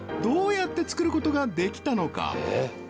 どうやって作ることができたのか？